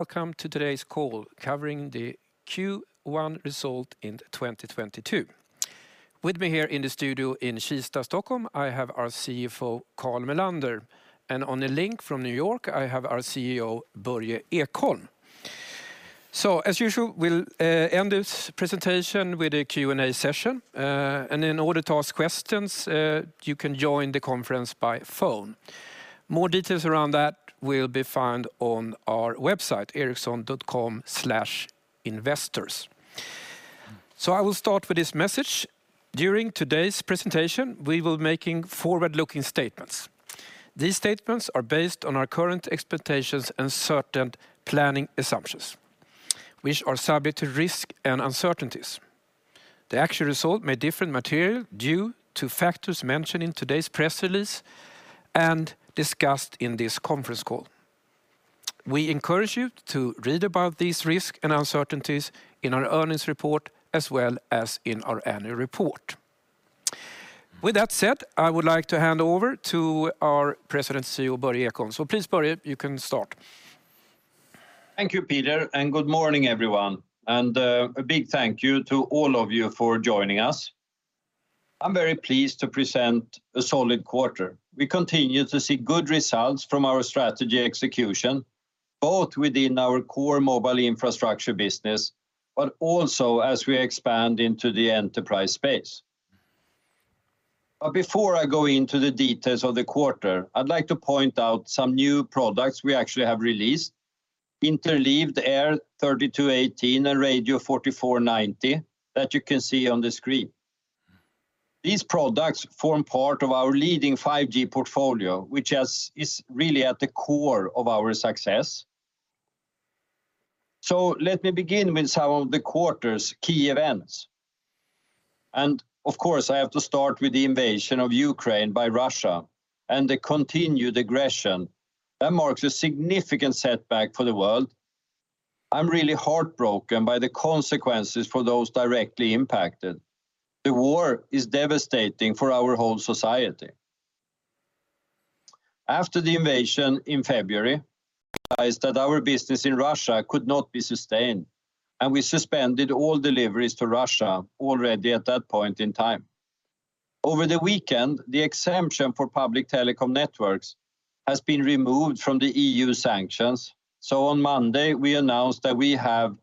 Welcome to today's call covering the Q1 result in 2022. With me here in the studio in Kista, Stockholm, I have our CFO, Carl Mellander, and on the link from New York, I have our CEO, Börje Ekholm. As usual, we'll end this presentation with a Q&A session. In order to ask questions, you can join the conference by phone. More details around that will be found on our website, ericsson.com/investors. I will start with this message. During today's presentation, we will making forward-looking statements. These statements are based on our current expectations and certain planning assumptions, which are subject to risk and uncertainties. The actual result may differ materially due to factors mentioned in today's press release and discussed in this conference call. We encourage you to read about these risk and uncertainties in our earnings report, as well as in our annual report. With that said, I would like to hand over to our President and CEO, Börje Ekholm. Please, Börje, you can start. Thank you, Peter, and good morning, everyone. A big thank you to all of you for joining us. I'm very pleased to present a solid quarter. We continue to see good results from our strategy execution, both within our core mobile infrastructure business, but also as we expand into the enterprise space. Before I go into the details of the quarter, I'd like to point out some new products we actually have released, Interleaved AIR 3218 and Radio 4490, that you can see on the screen. These products form part of our leading 5G portfolio, which is really at the core of our success. Let me begin with some of the quarter's key events. Of course, I have to start with the invasion of Ukraine by Russia and the continued aggression. That marks a significant setback for the world. I'm really heartbroken by the consequences for those directly impacted. The war is devastating for our whole society. After the invasion in February, it became clear to us that our business in Russia could not be sustained, and we suspended all deliveries to Russia already at that point in time. Over the weekend, the exemption for public telecom networks has been removed from the EU sanctions. On Monday, we announced that we have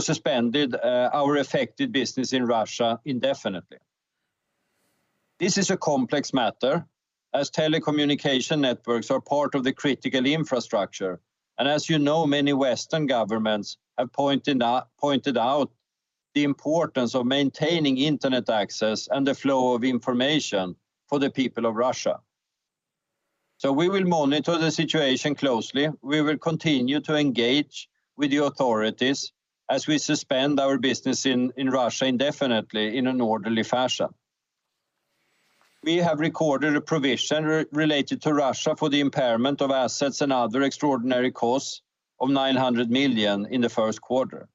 suspended our affected business in Russia indefinitely. This is a complex matter as telecommunication networks are part of the critical infrastructure. As you know, many Western governments have pointed out the importance of maintaining internet access and the flow of information for the people of Russia. We will monitor the situation closely. We will continue to engage with the authorities as we suspend our business in Russia indefinitely in an orderly fashion. We have recorded a provision related to Russia for the impairment of assets and other extraordinary costs of 900 million in the first quarter.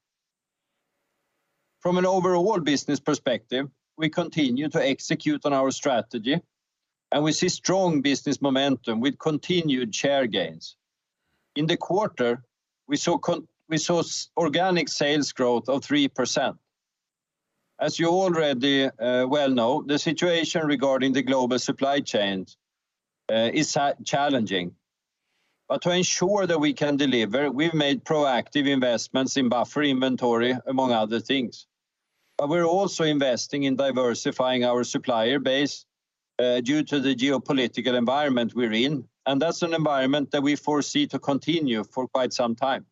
From an overall business perspective, we continue to execute on our strategy, and we see strong business momentum with continued share gains. In the quarter, we saw organic sales growth of 3%. As you already well know, the situation regarding the global supply chains is challenging. To ensure that we can deliver, we've made proactive investments in buffer inventory, among other things. We're also investing in diversifying our supplier base due to the geopolitical environment we're in, and that's an environment that we foresee to continue for quite some time.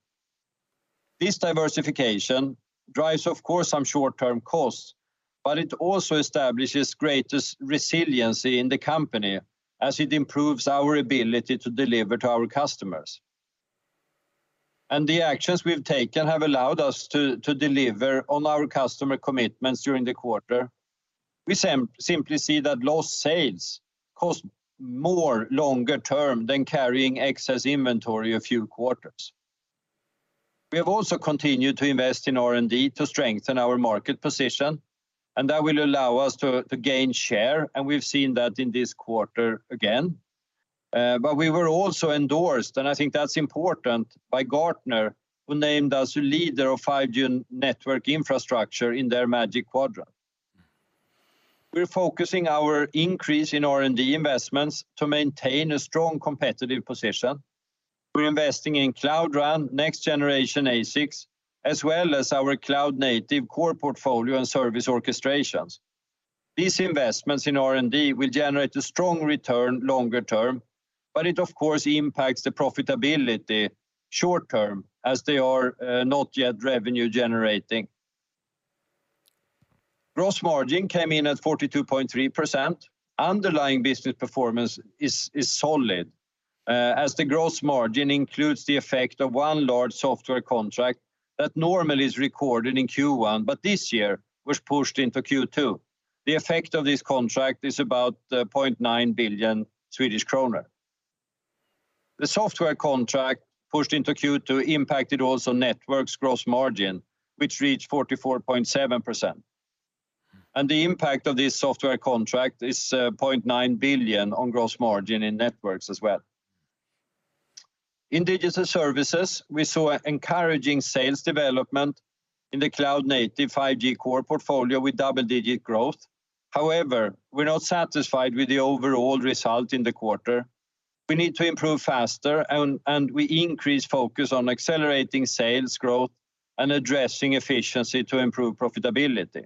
This diversification drives, of course, some short-term costs, but it also establishes greatest resiliency in the company as it improves our ability to deliver to our customers. The actions we've taken have allowed us to deliver on our customer commitments during the quarter. We simply see that lost sales cost more longer term than carrying excess inventory a few quarters. We have also continued to invest in R&D to strengthen our market position, and that will allow us to gain share, and we've seen that in this quarter again. But we were also endorsed, and I think that's important, by Gartner, who named us a leader of 5G network infrastructure in their Magic Quadrant. We're focusing our increase in R&D investments to maintain a strong competitive position. We're investing in Cloud RAN, next generation ASICs, as well as our cloud-native core portfolio and service orchestrations. These investments in R&D will generate a strong return longer term, but it of course impacts the profitability short term as they are not yet revenue generating. Gross margin came in at 42.3%. Underlying business performance is solid as the gross margin includes the effect of one large software contract that normally is recorded in Q1, but this year was pushed into Q2. The effect of this contract is about 0.9 billion Swedish kronor. The software contract pushed into Q2 impacted also networks gross margin, which reached 44.7%. The impact of this software contract is 0.9 billion on gross margin in networks as well. In digital services, we saw encouraging sales development in the cloud-native 5G Core portfolio with double-digit growth. However, we're not satisfied with the overall result in the quarter. We need to improve faster and we increase focus on accelerating sales growth and addressing efficiency to improve profitability.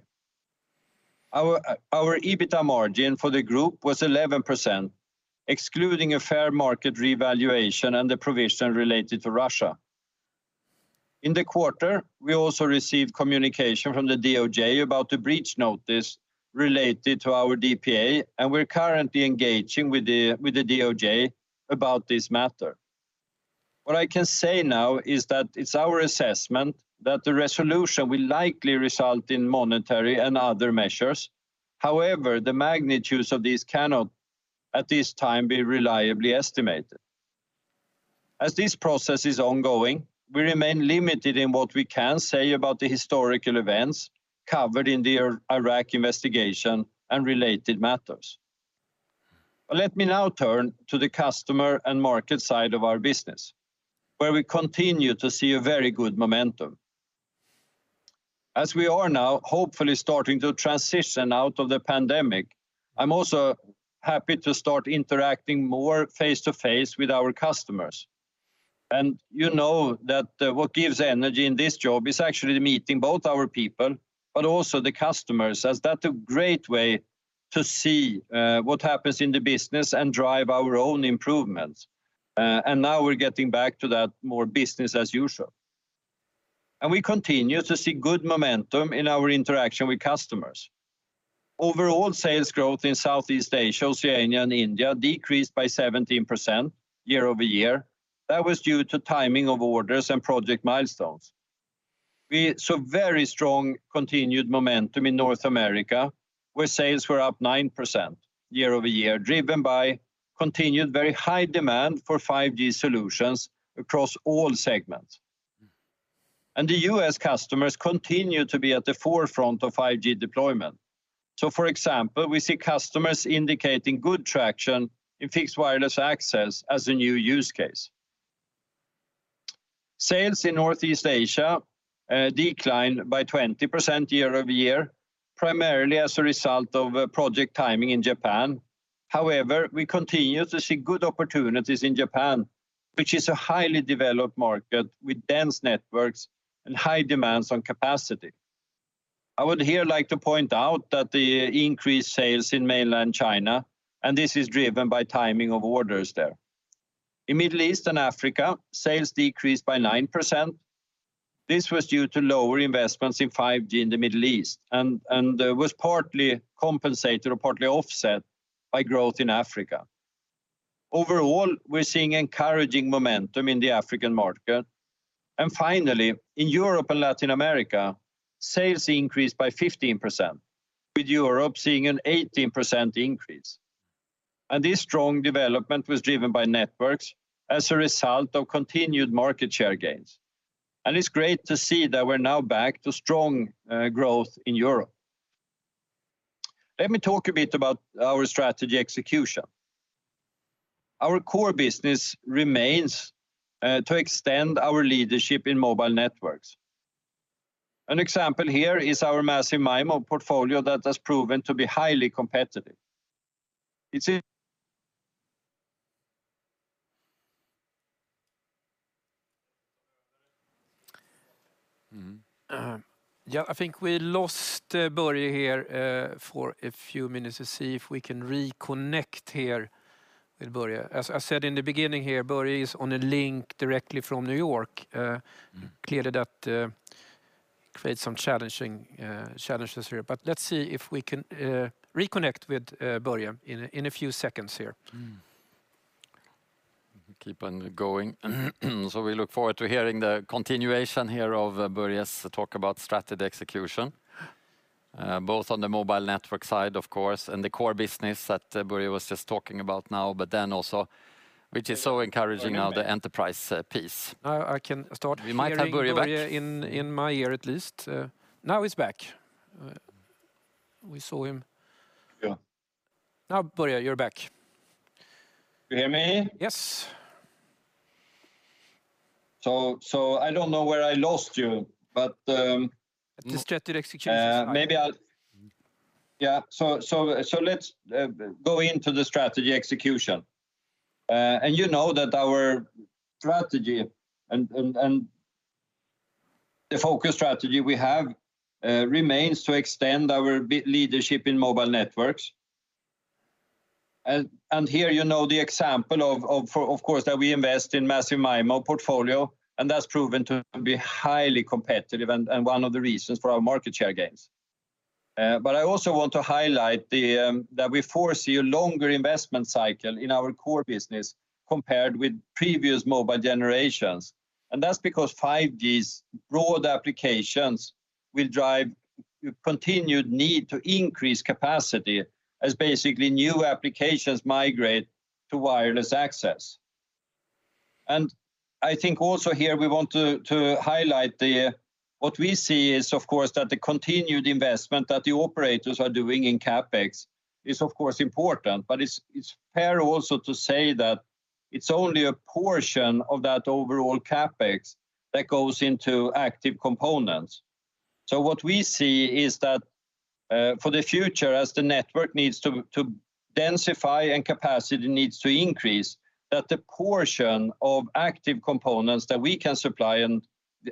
Our EBITDA margin for the group was 11%, excluding a fair market revaluation and the provision related to Russia. In the quarter, we also received communication from the DOJ about the breach notice related to our DPA, and we're currently engaging with the DOJ about this matter. What I can say now is that it's our assessment that the resolution will likely result in monetary and other measures. However, the magnitudes of this cannot, at this time, be reliably estimated. As this process is ongoing, we remain limited in what we can say about the historical events covered in the Iraq investigation and related matters. Let me now turn to the customer and market side of our business, where we continue to see a very good momentum. As we are now hopefully starting to transition out of the pandemic, I'm also happy to start interacting more face-to-face with our customers. You know that what gives energy in this job is actually meeting both our people, but also the customers, as that's a great way to see what happens in the business and drive our own improvements. Now we're getting back to that more business as usual. We continue to see good momentum in our interaction with customers. Overall sales growth in Southeast Asia, Oceania, and India decreased by 17% year-over-year. That was due to timing of orders and project milestones. We saw very strong continued momentum in North America, where sales were up 9% year-over-year, driven by continued very high demand for 5G solutions across all segments. The U.S. customers continue to be at the forefront of 5G deployment. For example, we see customers indicating good traction in fixed wireless access as a new use case. Sales in Northeast Asia declined by 20% year-over-year, primarily as a result of project timing in Japan. However, we continue to see good opportunities in Japan, which is a highly developed market with dense networks and high demands on capacity. I would here like to point out that the increased sales in mainland China, and this is driven by timing of orders there. In Middle East and Africa, sales decreased by 9%. This was due to lower investments in 5G in the Middle East and was partly compensated or partly offset by growth in Africa. Overall, we're seeing encouraging momentum in the African market. Finally, in Europe and Latin America, sales increased by 15%, with Europe seeing an 18% increase. This strong development was driven by networks as a result of continued market share gains. It's great to see that we're now back to strong growth in Europe. Let me talk a bit about our strategy execution. Our core business remains to extend our leadership in mobile networks. An example here is our Massive MIMO portfolio that has proven to be highly competitive. It's in- Yeah, I think we lost Börje here for a few minutes to see if we can reconnect here with Börje. As I said in the beginning here, Börje is on a link directly from New York. Mm. Clearly, that creates some challenging challenges here. Let's see if we can reconnect with Börje in a few seconds here. Keep on going. We look forward to hearing the continuation here of Börje's talk about strategy execution. Both on the mobile network side, of course, and the core business that Börje was just talking about now. Then also, which is so encouraging now, the enterprise piece. Now I can start hearing- We might have Börje back. Börje in my ear at least. Now he's back. We saw him. Yeah. Now, Börje, you're back. You hear me? Yes. I don't know where I lost you, but, At the strategy execution part. Let's go into the strategy execution. You know that our strategy and the focus strategy we have remains to extend our leadership in mobile networks. Here you know the example that we invest in Massive MIMO portfolio, and that's proven to be highly competitive and one of the reasons for our market share gains. But I also want to highlight that we foresee a longer investment cycle in our core business compared with previous mobile generations. That's because 5G's broad applications will drive continued need to increase capacity as basically new applications migrate to wireless access. I think also here we want to highlight the... What we see is, of course, that the continued investment that the operators are doing in CapEx is of course important. It's fair also to say that it's only a portion of that overall CapEx that goes into active components. What we see is that, for the future, as the network needs to densify and capacity needs to increase, that the portion of active components that we can supply and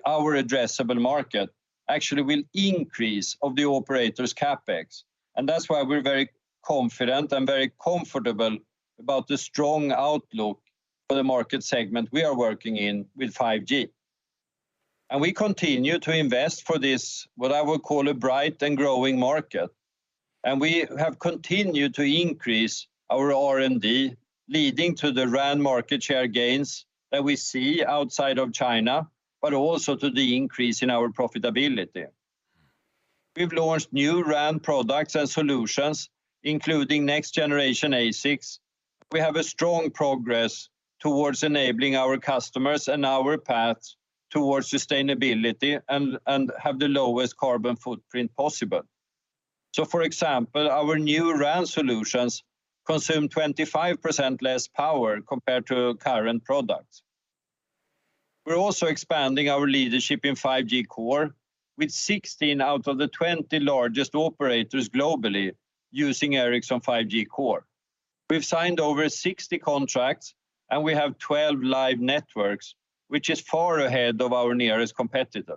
our addressable market actually will increase of the operator's CapEx. That's why we're very confident and very comfortable about the strong outlook for the market segment we are working in with 5G. We continue to invest for this, what I would call, a bright and growing market. We have continued to increase our R&D, leading to the RAN market share gains that we see outside of China, but also to the increase in our profitability. We've launched new RAN products and solutions, including next generation ASICs. We have a strong progress towards enabling our customers and our paths towards sustainability and have the lowest carbon footprint possible. For example, our new RAN solutions consume 25% less power compared to current products. We're also expanding our leadership in 5G Core with 16 out of the 20 largest operators globally using Ericsson 5G Core. We've signed over 60 contracts, and we have 12 live networks, which is far ahead of our nearest competitor.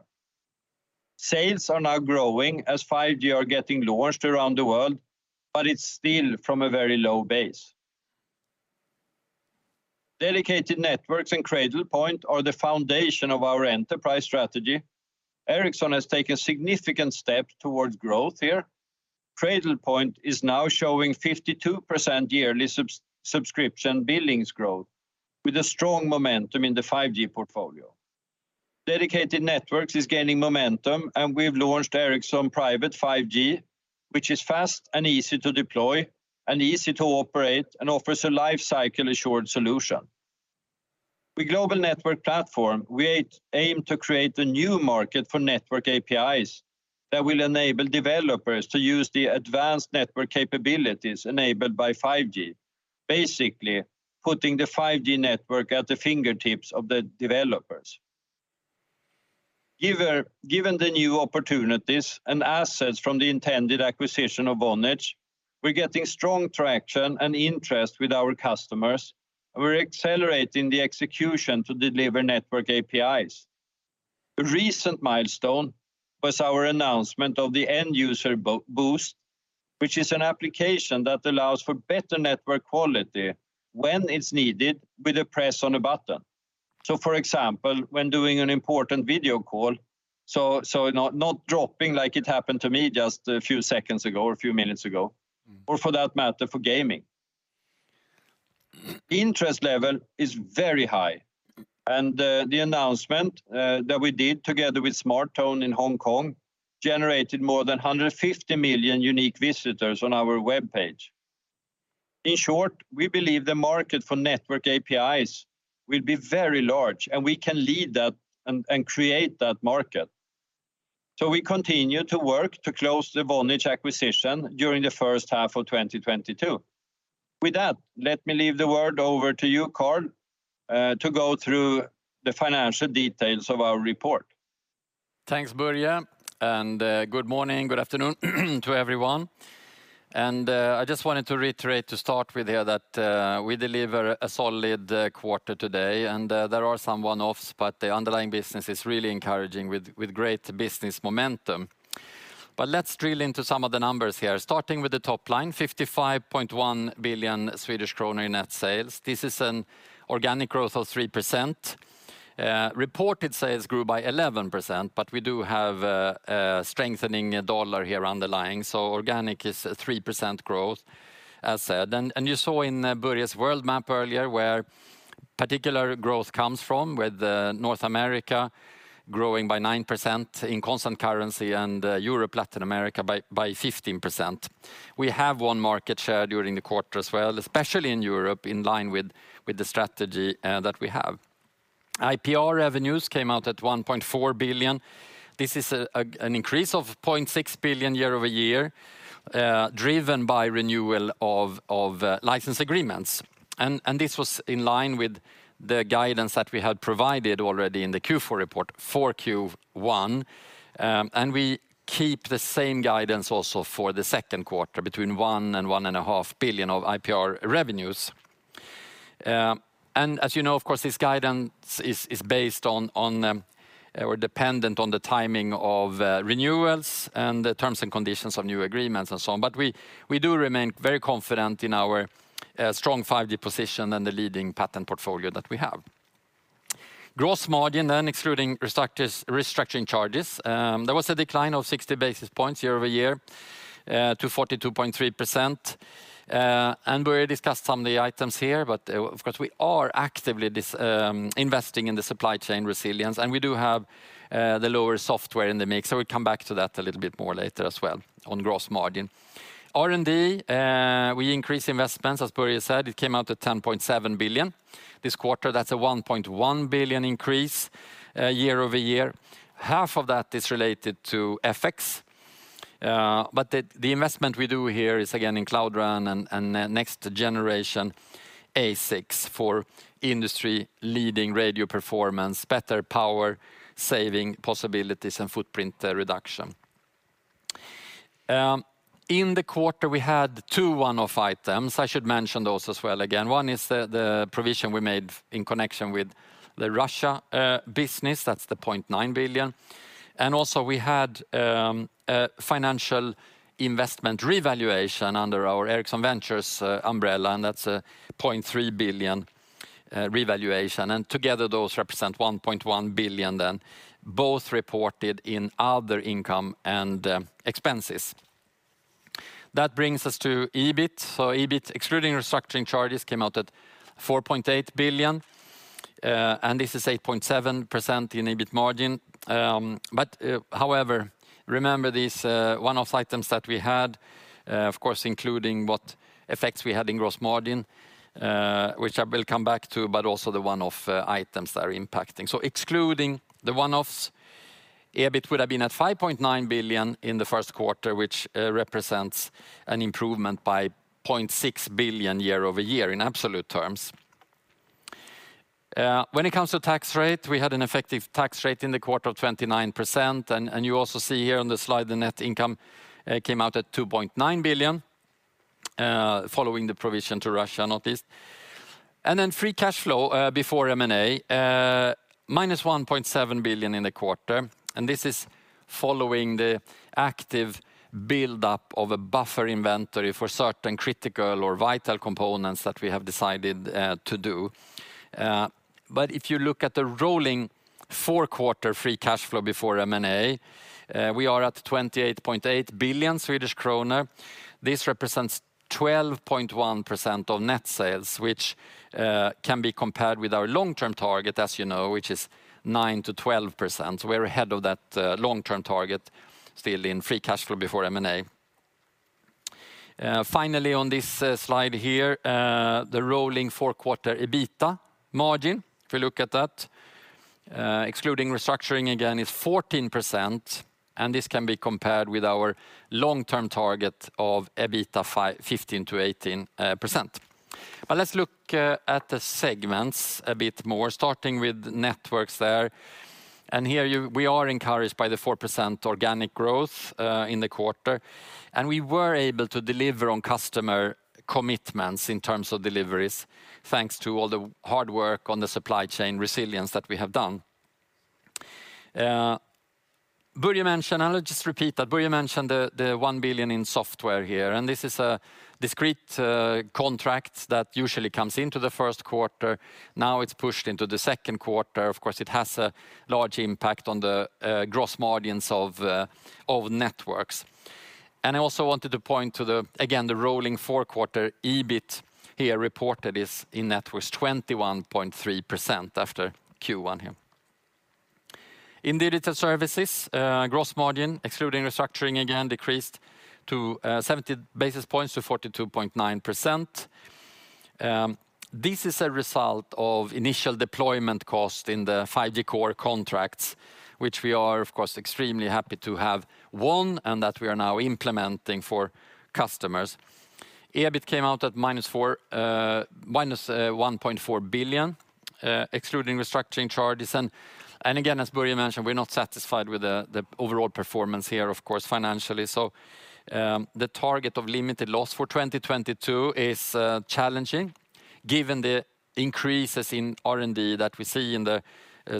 Sales are now growing as 5G are getting launched around the world, but it's still from a very low base. Dedicated Networks and Cradlepoint are the foundation of our enterprise strategy. Ericsson has taken significant steps towards growth here. Cradlepoint is now showing 52% yearly subscription billings growth with a strong momentum in the 5G portfolio. Dedicated Networks is gaining momentum, and we've launched Ericsson Private 5G, which is fast and easy to deploy and easy to operate and offers a lifecycle-assured solution. With Global Network Platform, we aim to create a new market for network APIs that will enable developers to use the advanced network capabilities enabled by 5G, basically putting the 5G network at the fingertips of the developers. Given the new opportunities and assets from the intended acquisition of Vonage, we're getting strong traction and interest with our customers, and we're accelerating the execution to deliver network APIs. A recent milestone was our announcement of the Dynamic End-user Boost, which is an application that allows for better network quality when it's needed with a press on a button. For example, when doing an important video call, so not dropping like it happened to me just a few seconds ago or a few minutes ago, or for that matter, for gaming. Interest level is very high, and the announcement that we did together with SmarTone in Hong Kong generated more than 150 million unique visitors on our webpage. In short, we believe the market for network APIs will be very large, and we can lead that and create that market. We continue to work to close the Vonage acquisition during the first half of 2022. With that, let me leave the word over to you, Carl, to go through the financial details of our report. Thanks, Börje. Good morning, good afternoon to everyone. I just wanted to reiterate to start with here that we deliver a solid quarter today, and there are some one-offs, but the underlying business is really encouraging with great business momentum. Let's drill into some of the numbers here, starting with the top line, 55.1 billion Swedish kronor in net sales. This is an organic growth of 3%. Reported sales grew by 11%, but we do have a strengthening dollar here underlying, so organic is 3% growth, as said. You saw in Börje's world map earlier where particular growth comes from, with North America growing by 9% in constant currency and Europe, Latin America by 15%. We have won market share during the quarter as well, especially in Europe, in line with the strategy that we have. IPR revenues came out at 1.4 billion. This is an increase of 0.6 billion year-over-year, driven by renewal of license agreements. This was in line with the guidance that we had provided already in the Q4 report for Q1. We keep the same guidance also for the second quarter, between 1 billion and 1.5 billion of IPR revenues. As you know, of course, this guidance is based on or dependent on the timing of renewals and the terms and conditions of new agreements and so on. We do remain very confident in our strong 5G position and the leading patent portfolio that we have. Gross margin excluding restructuring charges, there was a decline of 60 basis points year-over-year to 42.3%. Börje discussed some of the items here. Of course, we are actively investing in the supply chain resilience, and we do have the lower software in the mix, so we'll come back to that a little bit more later as well on gross margin. R&D, we increased investments. As Börje said, it came out at 10.7 billion this quarter, that's a 1.1 billion increase year-over-year. Half of that is related to FX. But the investment we do here is again in Cloud RAN and next generation ASICs for industry-leading radio performance, better power-saving possibilities, and footprint reduction. In the quarter, we had two one-off items. I should mention those as well again. One is the provision we made in connection with the Russia business. That's 0.9 billion. Also, we had financial investment revaluation under our Ericsson Ventures umbrella, and that's 0.3 billion revaluation. Together, those represent 1.1 billion, both reported in other income and expenses. That brings us to EBIT. EBIT, excluding restructuring charges, came out at 4.8 billion, and this is 8.7% in EBIT margin. However, remember these one-off items that we had, of course including what effects we had in gross margin, which I will come back to, but also the one-off items that are impacting. Excluding the one-offs, EBIT would've been at 5.9 billion in the first quarter, which represents an improvement by 0.6 billion year-over-year in absolute terms. When it comes to tax rate, we had an effective tax rate in the quarter of 29%, and you also see here on the slide, the net income came out at 2.9 billion following the provision to Russia notice. Free cash flow before M&A minus 1.7 billion in the quarter, and this is following the active buildup of a buffer inventory for certain critical or vital components that we have decided to do. If you look at the rolling four-quarter free cash flow before M&A, we are at 28.8 billion Swedish kronor. This represents 12.1% of net sales, which can be compared with our long-term target, as you know, which is 9%-12%. We're ahead of that long-term target still in free cash flow before M&A. Finally on this slide here, the rolling four-quarter EBITA margin, if you look at that, excluding restructuring again, is 14%, and this can be compared with our long-term target of EBITA 15%-18%. Let's look at the segments a bit more, starting with networks there. Here you... We are encouraged by the 4% organic growth in the quarter, and we were able to deliver on customer commitments in terms of deliveries, thanks to all the hard work on the supply chain resilience that we have done. Börje mentioned, and I'll just repeat that, the 1 billion in software here, and this is a discrete contract that usually comes into the first quarter. Now it's pushed into the second quarter. Of course, it has a large impact on the gross margins of Networks. I also wanted to point to, again, the rolling four-quarter EBIT here reported is, in net, 21.3% after Q1 here. In Digital Services, gross margin, excluding restructuring again, decreased to 70 basis points to 42.9%. This is a result of initial deployment cost in the 5G Core contracts, which we are of course extremely happy to have won and that we are now implementing for customers. EBIT came out at -1.4 billion, excluding restructuring charges. Again, as Börje mentioned, we're not satisfied with the overall performance here, of course, financially. The target of limited loss for 2022 is challenging given the increases in R&D that we see in the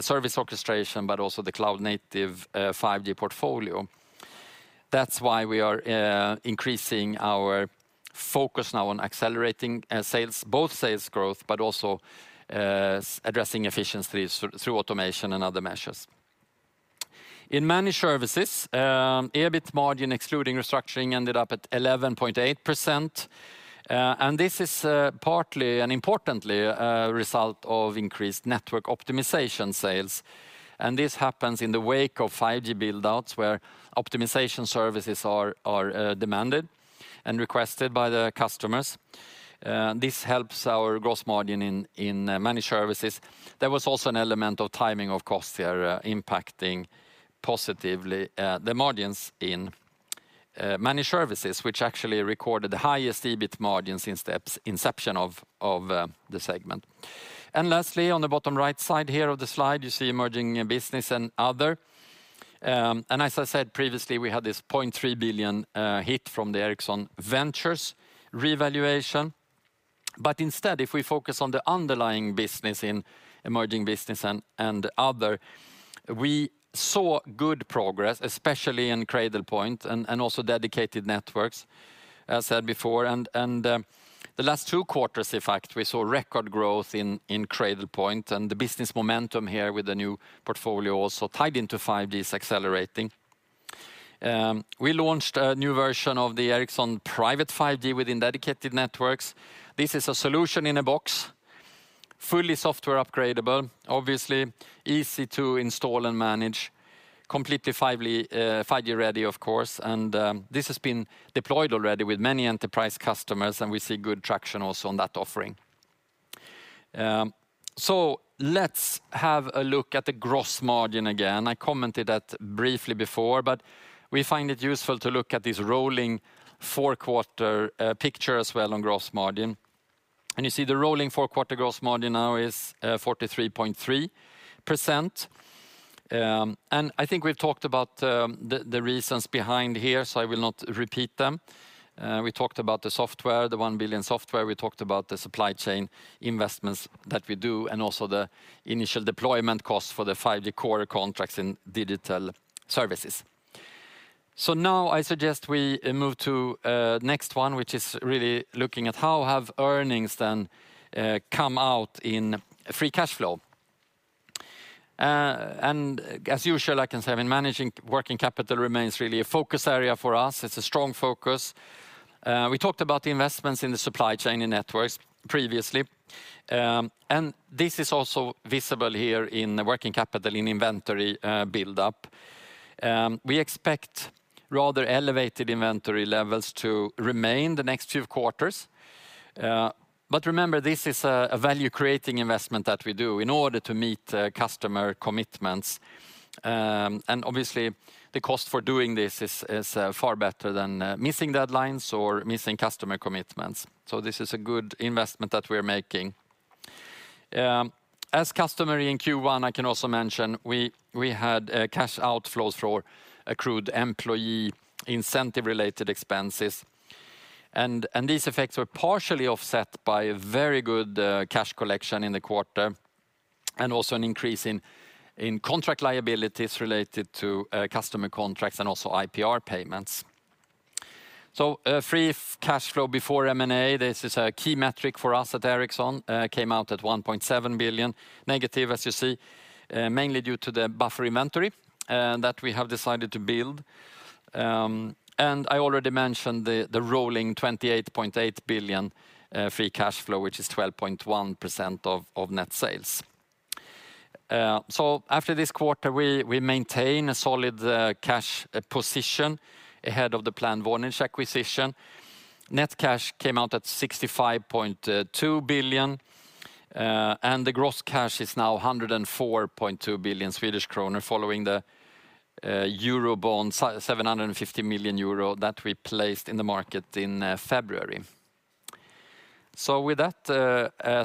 service orchestration, but also the cloud native 5G portfolio. That's why we are increasing our focus now on accelerating sales, both sales growth, but also addressing efficiencies through automation and other measures. In managed services, EBIT margin excluding restructuring ended up at 11.8%, and this is partly and importantly a result of increased network optimization sales. This happens in the wake of 5G build-outs where optimization services are demanded and requested by the customers. This helps our gross margin in managed services. There was also an element of timing of costs here, impacting positively the margins in managed services, which actually recorded the highest EBIT margins since the inception of the segment. Lastly, on the bottom right side here of the slide, you see emerging business and other. As I said previously, we had this 0.3 billion hit from the Ericsson Ventures revaluation. Instead, if we focus on the underlying business in emerging business and other, we saw good progress, especially in Cradlepoint and also dedicated networks, as said before. The last two quarters, in fact, we saw record growth in Cradlepoint, and the business momentum here with the new portfolio also tied into 5G is accelerating. We launched a new version of the Ericsson Private 5G within Dedicated Networks. This is a solution in a box, fully software upgradable, obviously easy to install and manage, completely 5G-ready, of course. This has been deployed already with many enterprise customers, and we see good traction also on that offering. Let's have a look at the gross margin again. I commented that briefly before, but we find it useful to look at this rolling four-quarter picture as well on gross margin. You see the rolling four-quarter gross margin now is 43.3%. I think we've talked about the reasons behind here, so I will not repeat them. We talked about the software, the 1 billion software. We talked about the supply chain investments that we do, and also the initial deployment costs for the 5G Core contracts in Digital Services. Now I suggest we move to next one, which is really looking at how have earnings then come out in free cash flow. As usual, I can say, I mean, managing working capital remains really a focus area for us. It's a strong focus. We talked about the investments in the supply chain and networks previously. This is also visible here in the working capital in inventory build up. We expect rather elevated inventory levels to remain the next few quarters. Remember, this is a value creating investment that we do in order to meet customer commitments. Obviously the cost for doing this is far better than missing deadlines or missing customer commitments. This is a good investment that we're making. As customary in Q1, I can also mention we had cash outflows for accrued employee incentive related expenses. These effects were partially offset by a very good cash collection in the quarter, and also an increase in contract liabilities related to customer contracts and also IPR payments. Free cash flow before M&A, this is a key metric for us at Ericsson, came out at -1.7 billion, as you see, mainly due to the buffer inventory that we have decided to build. I already mentioned the rolling 28.8 billion free cash flow, which is 12.1% of net sales. After this quarter, we maintain a solid cash position ahead of the planned Vonage acquisition. Net cash came out at 65.2 billion. The gross cash is now 104.2 billion Swedish kronor following the 750 million euro bond that we placed in the market in February. With that,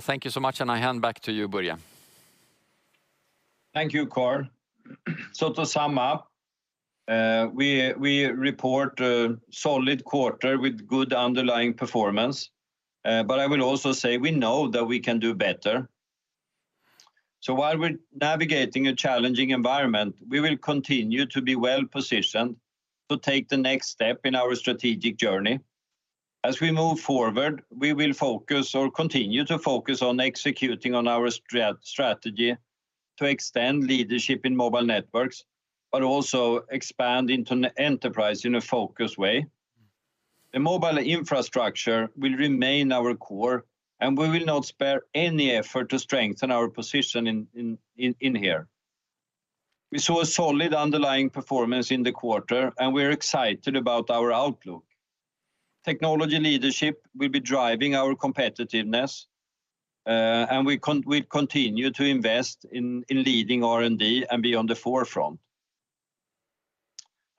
thank you so much, and I hand back to you, Börje. Thank you, Carl. To sum up, we report a solid quarter with good underlying performance. I will also say we know that we can do better. While we're navigating a challenging environment, we will continue to be well-positioned to take the next step in our strategic journey. As we move forward, we will focus or continue to focus on executing on our strategy to extend leadership in mobile networks, but also expand into an enterprise in a focused way. The mobile infrastructure will remain our core, and we will not spare any effort to strengthen our position here. We saw a solid underlying performance in the quarter, and we're excited about our outlook. Technology leadership will be driving our competitiveness, and we'll continue to invest in leading R&D and be on the forefront.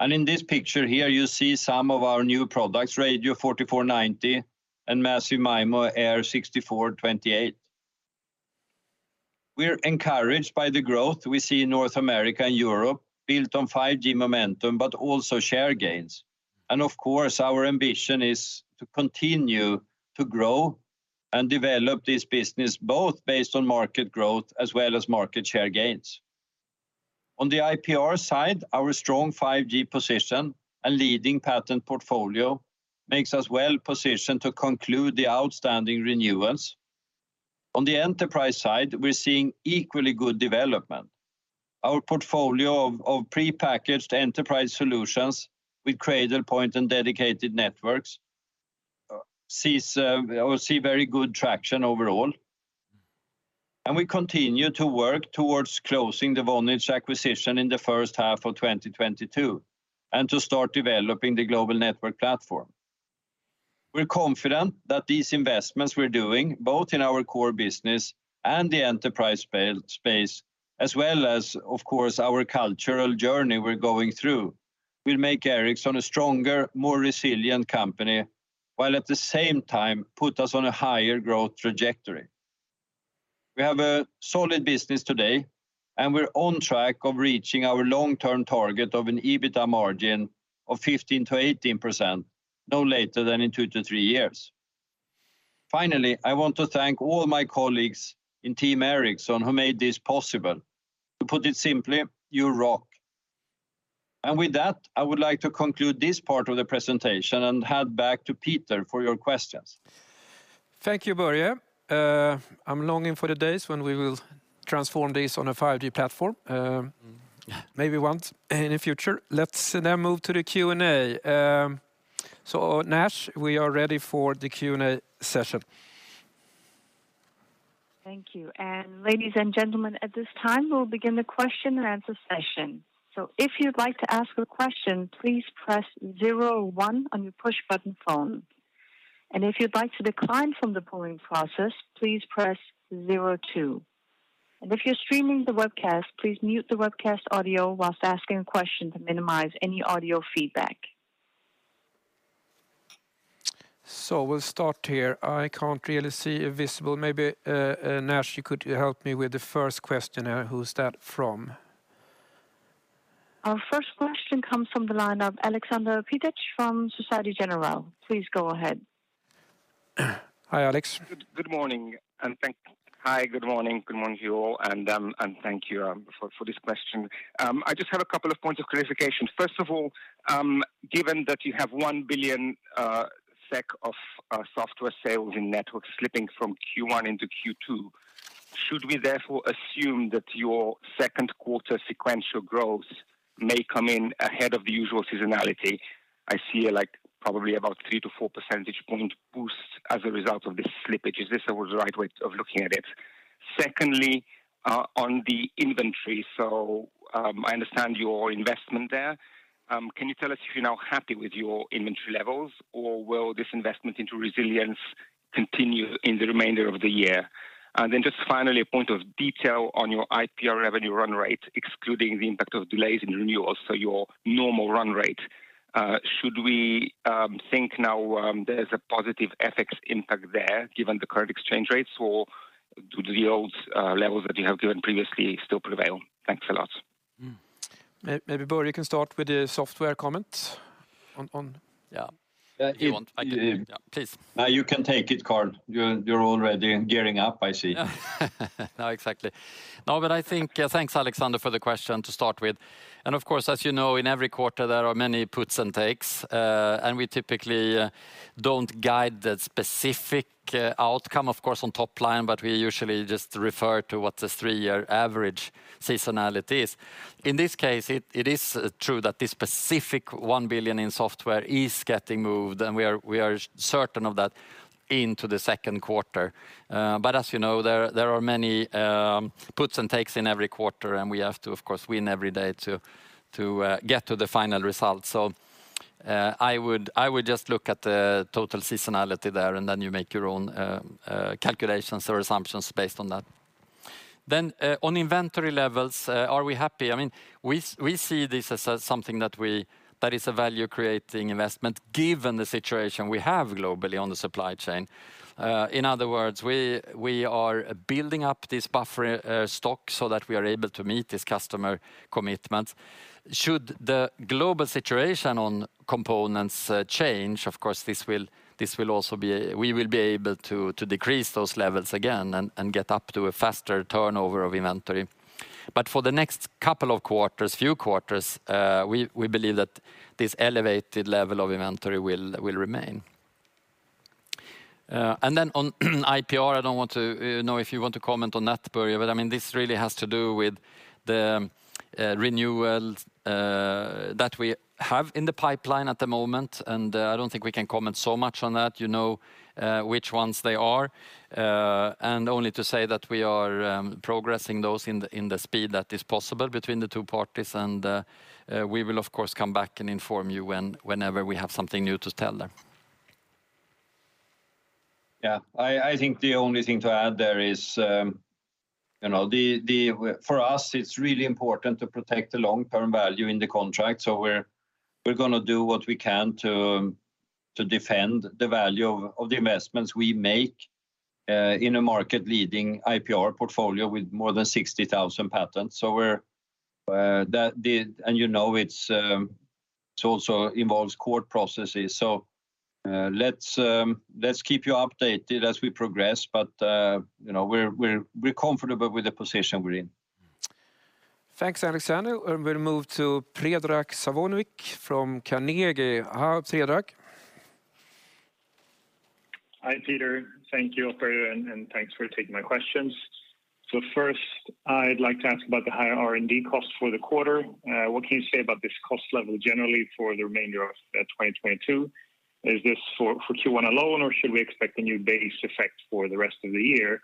In this picture here, you see some of our new products, Radio 4490 and Massive MIMO AIR 6428. We're encouraged by the growth we see in North America and Europe built on 5G momentum, but also share gains. Of course, our ambition is to continue to grow and develop this business, both based on market growth as well as market share gains. On the IPR side, our strong 5G position and leading patent portfolio makes us well-positioned to conclude the outstanding renewals. On the enterprise side, we're seeing equally good development. Our portfolio of prepackaged enterprise solutions with Cradlepoint and Dedicated Networks sees or see very good traction overall. We continue to work towards closing the Vonage acquisition in the first half of 2022 and to start developing the Global Network Platform. We're confident that these investments we're doing, both in our core business and the enterprise space, as well as, of course, our cultural journey we're going through, will make Ericsson a stronger, more resilient company, while at the same time put us on a higher growth trajectory. We have a solid business today, and we're on track of reaching our long-term target of an EBITDA margin of 15%-18% no later than in 2-3 years. Finally, I want to thank all my colleagues in Team Ericsson who made this possible. To put it simply, you rock. With that, I would like to conclude this part of the presentation and hand back to Peter for your questions. Thank you, Börje. I'm longing for the days when we will transform this on a 5G platform. Maybe once in the future. Let's then move to the Q&A. Nash, we are ready for the Q&A session. Thank you. Ladies and gentlemen, at this time, we'll begin the question and answer session. If you'd like to ask a question, please press 01 on your push button phone. And if you'd like to decline from the polling process, please press zero two. And if you're streaming the webcast, please mute the webcast audio whilst asking a question to minimize any audio feedback. We'll start here. I can't really see the visuals. Maybe, Nash, you could help me with the first question, who's that from? Our first question comes from the line of Aleksander Peterc from Société Générale. Please go ahead. Hi, Alex. Hi, good morning. Good morning to you all and thank you for this question. I just have a couple of points of clarification. First of all, given that you have 1 billion SEK of software sales in networks slipping from Q1 into Q2, should we therefore assume that your second quarter sequential growth may come in ahead of the usual seasonality? I see, like, probably about 3-4 percentage point boost as a result of this slippage. Is this the right way of looking at it? Secondly, on the inventory. I understand your investment there. Can you tell us if you're now happy with your inventory levels, or will this investment into resilience continue in the remainder of the year? Just finally, a point of detail on your IPR revenue run rate, excluding the impact of delays in renewals, so your normal run rate. Should we think now there's a positive FX impact there given the current exchange rates, or do the old levels that you have given previously still prevail? Thanks a lot. Maybe Börje can start with the software comment on. Yeah. If you want, I can. Please. No, you can take it, Carl. You're already gearing up, I see. No, exactly. No, but I think thanks, Alexander, for the question to start with. Of course, as you know, in every quarter, there are many puts and takes. We typically don't guide the specific outcome, of course, on top line, but we usually just refer to what the three-year average seasonality is. In this case, it is true that this specific 1 billion in software is getting moved, and we are certain of that into the second quarter. But as you know, there are many puts and takes in every quarter, and we have to, of course, win every day to get to the final result. I would just look at the total seasonality there, and then you make your own calculations or assumptions based on that. On inventory levels, are we happy? I mean, we see this as something that is a value-creating investment given the situation we have globally on the supply chain. In other words, we are building up this buffer stock so that we are able to meet this customer commitment. Should the global situation on components change, of course, this will also be. We will be able to decrease those levels again and get up to a faster turnover of inventory. For the next couple of quarters, few quarters, we believe that this elevated level of inventory will remain. On IPR, I don't know if you want to comment on that, Börje, but I mean, this really has to do with the renewal that we have in the pipeline at the moment. I don't think we can comment so much on that. You know, which ones they are, and only to say that we are progressing those at the speed that is possible between the two parties. We will, of course, come back and inform you whenever we have something new to tell there. I think the only thing to add there is, you know, for us, it's really important to protect the long-term value in the contract. We're gonna do what we can to defend the value of the investments we make in a market-leading IPR portfolio with more than 60,000 patents. You know, it also involves court processes. Let's keep you updated as we progress. You know, we're comfortable with the position we're in. Thanks, Alexander. We'll move to Predrag Savic from Carnegie. Hi, Predrag. Hi, Peter. Thank you, Börje, and thanks for taking my questions. First, I'd like to ask about the higher R&D costs for the quarter. What can you say about this cost level generally for the remainder of 2022? Is this for Q1 alone, or should we expect a new base effect for the rest of the year?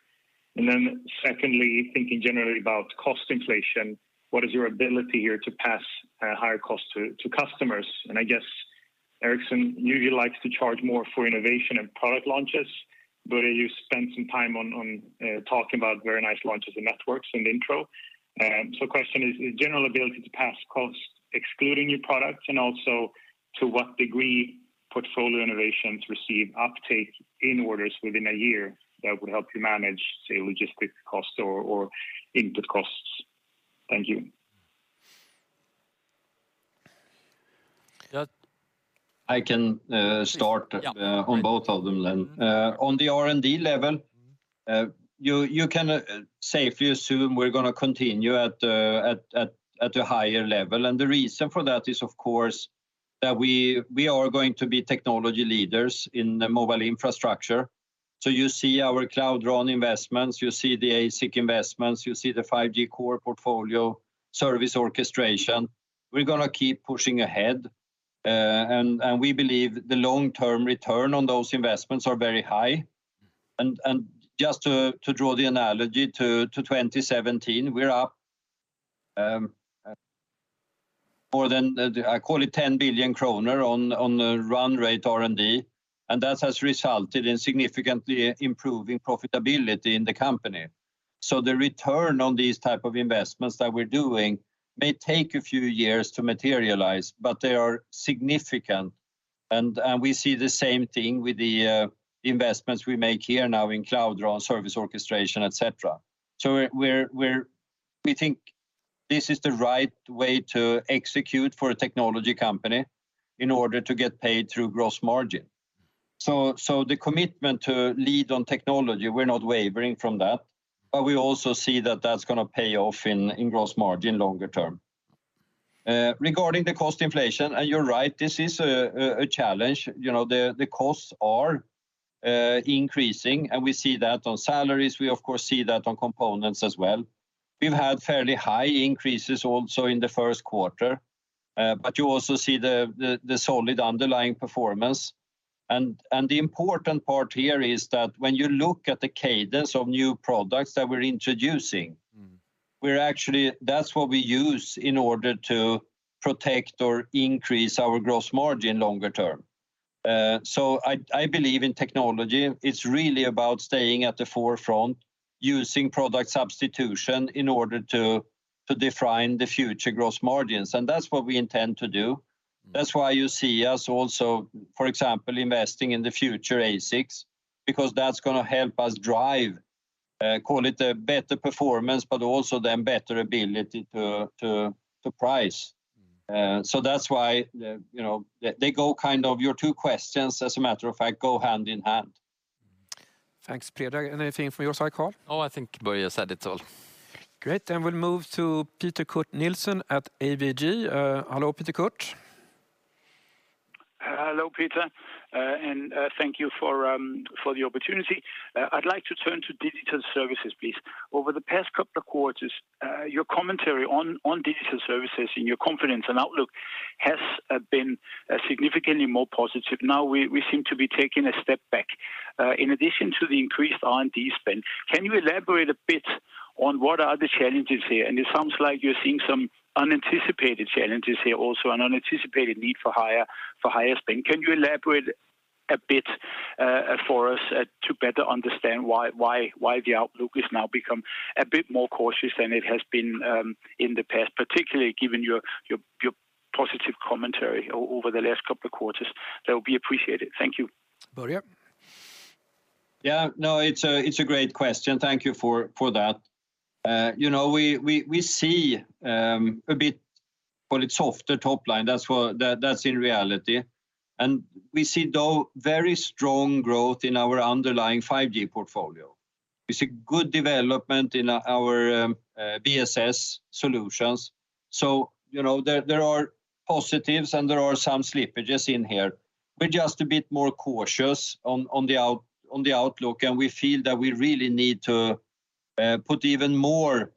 Secondly, thinking generally about cost inflation, what is your ability here to pass higher costs to customers? I guess Ericsson usually likes to charge more for innovation and product launches. Börje, you spent some time on talking about very nice launches and networks in the intro. Question is general ability to pass costs excluding new products and also to what degree portfolio innovations receive uptake in orders within a year that would help you manage, say, logistics costs or input costs? Thank you. I can start on both of them then. On the R&D level, you can safely assume we're gonna continue at a higher level. The reason for that is, of course, that we are going to be technology leaders in the mobile infrastructure. You see our Cloud RAN investments, you see the ASIC investments, you see the 5G Core portfolio service orchestration. We're gonna keep pushing ahead, and we believe the long-term return on those investments are very high. Just to draw the analogy to 2017, we're up more than, I call it, 10 billion kronor on the run rate R&D. That has resulted in significantly improving profitability in the company. The return on these type of investments that we're doing may take a few years to materialize, but they are significant. We see the same thing with the investments we make here now in Cloud RAN, service orchestration, et cetera. We think this is the right way to execute for a technology company in order to get paid through gross margin. The commitment to lead on technology, we're not wavering from that. We also see that that's gonna pay off in gross margin longer term. Regarding the cost inflation, you're right, this is a challenge. You know, the costs are increasing, and we see that on salaries. We of course see that on components as well. We've had fairly high increases also in the first quarter. You also see the solid underlying performance. The important part here is that when you look at the cadence of new products that we're introducing. Mm. That's what we use in order to protect or increase our gross margin longer term. I believe in technology. It's really about staying at the forefront, using product substitution in order to define the future gross margins. That's what we intend to do. Mm. That's why you see us also, for example, investing in the future ASICs, because that's gonna help us drive, call it a better performance, but also then better ability to price. Mm. That's why, you know, your two questions, as a matter of fact, go hand in hand. Thanks, Peter. Anything from your side, Carl? Oh, I think Börje said it all. Great. We'll move to Peter Kurt Nielsen at ABG. Hello, Peter Kurt. Hello, Peter. Thank you for the opportunity. I'd like to turn to digital services, please. Over the past couple of quarters, your commentary on digital services and your confidence and outlook has been significantly more positive. Now we seem to be taking a step back. In addition to the increased R&D spend, can you elaborate a bit on what are the challenges here? It sounds like you're seeing some unanticipated challenges here also, an unanticipated need for higher spend. Can you elaborate a bit for us to better understand why the outlook has now become a bit more cautious than it has been in the past, particularly given your positive commentary over the last couple of quarters? That would be appreciated. Thank you. Börje. Yeah. No, it's a great question. Thank you for that. You know, we see a bit, call it softer top line. That's what that is in reality. We see very strong growth in our underlying 5G portfolio. We see good development in our BSS solutions. You know, there are positives and there are some slippages in here. We're just a bit more cautious on the outlook, and we feel that we really need to put even more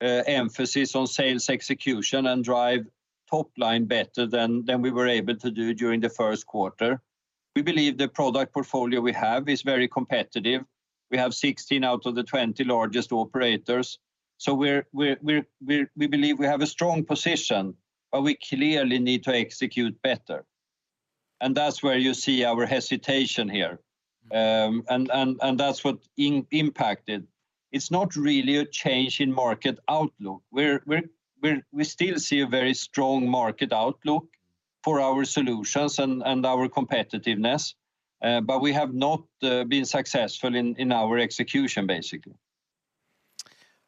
emphasis on sales execution and drive top line better than we were able to do during the first quarter. We believe the product portfolio we have is very competitive. We have 16 out of the 20 largest operators. We believe we have a strong position, but we clearly need to execute better. That's where you see our hesitation here. That's what impacted. It's not really a change in market outlook. We still see a very strong market outlook for our solutions and our competitiveness, but we have not been successful in our execution basically.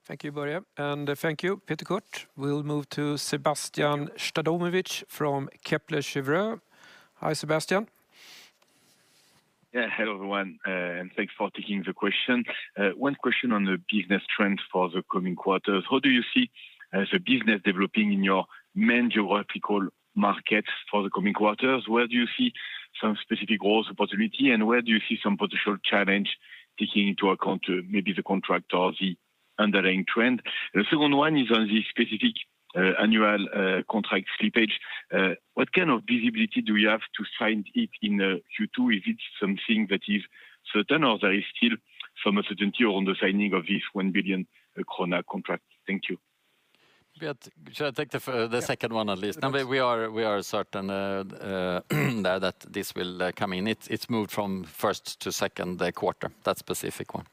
Thank you, Börje, and thank you, Peter Kurt. We'll move to Sébastien Sztabowicz from Kepler Cheuvreux. Hi, Sebastian. Yeah. Hello, everyone, and thanks for taking the question. One question on the business trends for the coming quarters. How do you see the business developing in your main geographical markets for the coming quarters? Where do you see some specific growth opportunity, and where do you see some potential challenge taking into account maybe the contract or the underlying trend? The second one is on the specific annual contract slippage. What kind of visibility do you have to sign it in Q2? Is it something that is certain or there is still some uncertainty on the signing of this 1 billion krona contract? Thank you. Yeah. Yeah the second one at least? Yes. No, we are certain that this will come in. It's moved from first to second quarter, that specific one.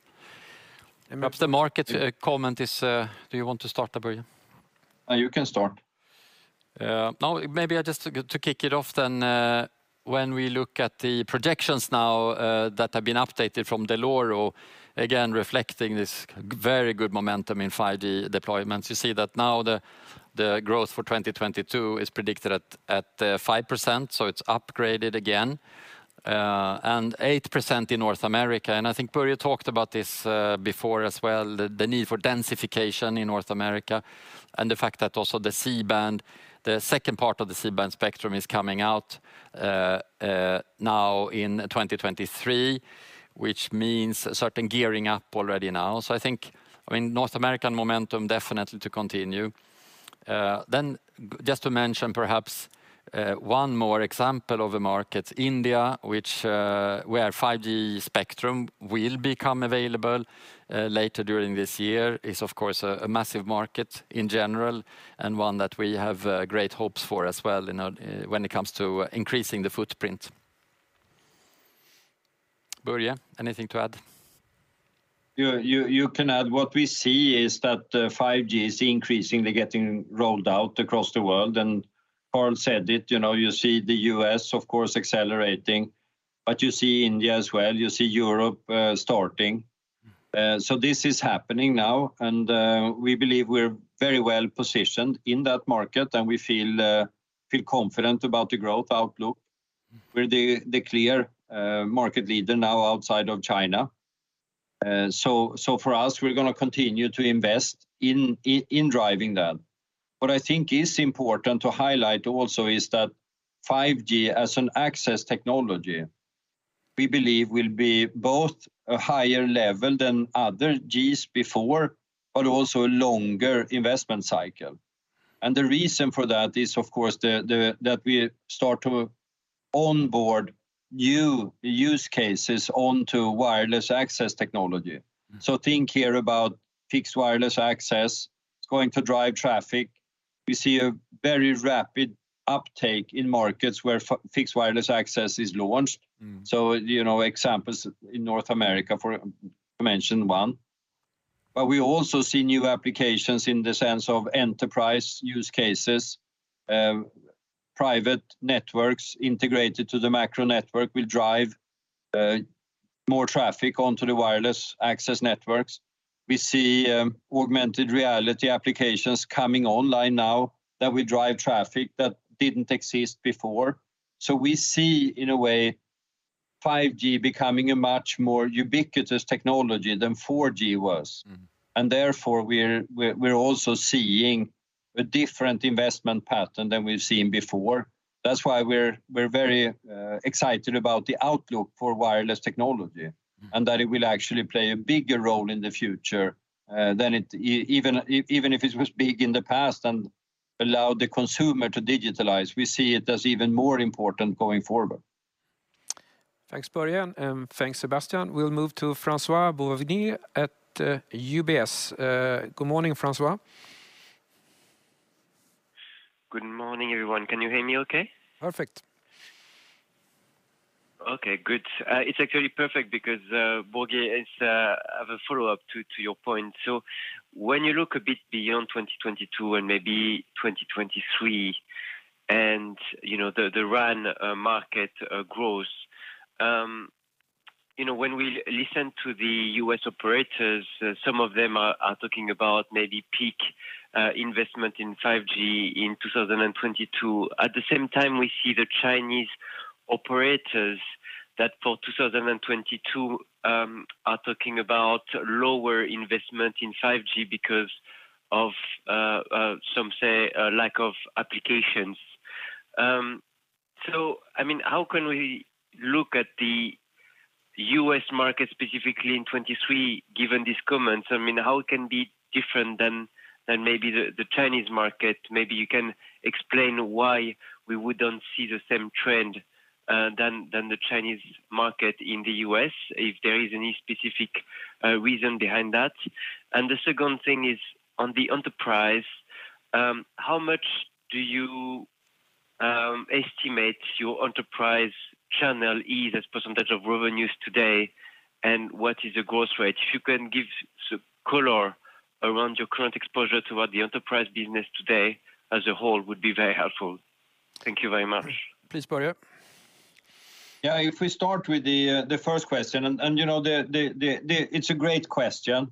Perhaps the market comment is. Do you want to start that, Börje? You can start. Maybe I just got to kick it off then, when we look at the projections now, that have been updated from Dell'Oro, again reflecting this very good momentum in 5G deployments, you see that now the growth for 2022 is predicted at 5%, so it's upgraded again, and 8% in North America. I think Börje talked about this before as well, the need for densification in North America and the fact that also the C-band, the second part of the C-band spectrum is coming out now in 2023, which means a certain gearing up already now. I think, I mean, North American momentum definitely to continue. Just to mention perhaps one more example of the markets, India, which where 5G spectrum will become available later during this year, is of course a massive market in general and one that we have great hopes for as well, you know, when it comes to increasing the footprint. Börje, anything to add? What we see is that 5G is increasingly getting rolled out across the world and Carl said it, you know, you see the U.S. of course accelerating, but you see India as well, you see Europe starting. This is happening now, and we believe we're very well positioned in that market, and we feel confident about the growth outlook. We're the clear market leader now outside of China. For us, we're gonna continue to invest in driving that. What I think is important to highlight also is that 5G as an access technology, we believe will be both a higher level than other G's before, but also a longer investment cycle. The reason for that is of course that we start to onboard new use cases onto wireless access technology. Think here about fixed wireless access. It's going to drive traffic. We see a very rapid uptake in markets where fixed wireless access is launched. Mm. You know, examples in North America to mention one. We also see new applications in the sense of enterprise use cases. Private networks integrated to the macro network will drive more traffic onto the wireless access networks. We see augmented reality applications coming online now that will drive traffic that didn't exist before. We see in a way, 5G becoming a much more ubiquitous technology than 4G was. Mm. Therefore we're also seeing a different investment pattern than we've seen before. That's why we're very excited about the outlook for wireless technology. Mm that it will actually play a bigger role in the future than it even if it was big in the past and allowed the consumer to digitalize. We see it as even more important going forward. Thanks, Börje, and thanks, Sébastien. We'll move to François-Xavier Bouvignies at UBS. Good morning, François. Good morning, everyone. Can you hear me okay? Perfect. Okay, good. It's actually perfect because, Börje, I have a follow-up to your point. When you look a bit beyond 2022 and maybe 2023, and, you know, the RAN market growth, you know, when we listen to the U.S. operators, some of them are talking about maybe peak investment in 5G in 2022. At the same time, we see the Chinese operators that for 2022 are talking about lower investment in 5G because of some say a lack of applications. I mean, how can we look at the U.S. market specifically in 2023 given these comments? I mean, how it can be different than maybe the Chinese market? Maybe you can explain why we wouldn't see the same trend as in the Chinese market in the US, if there is any specific reason behind that. The second thing is on the enterprise, how much do you estimate your enterprise channel is as a percentage of revenues today, and what is the growth rate? If you can give some color around your current exposure toward the enterprise business today as a whole would be very helpful. Thank you very much. Please, Börje. Yeah, if we start with the first question, and you know the... It's a great question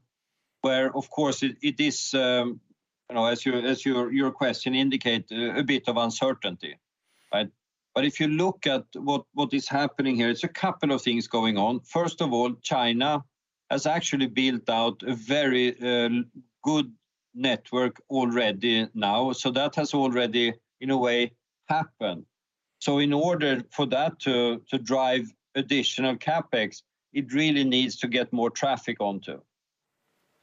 where of course it is, you know, as your question indicate a bit of uncertainty, right? If you look at what is happening here, it's a couple of things going on. First of all, China has actually built out a very good network already now. That has already in a way happened. In order for that to drive additional CapEx, it really needs to get more traffic onto.